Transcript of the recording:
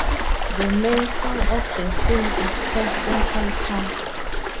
The main song of the film is called "Central Park".